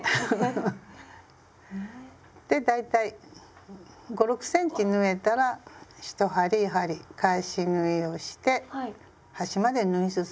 で大体５６ｃｍ縫えたら１針やはり返し縫いをして端まで縫い進んでください。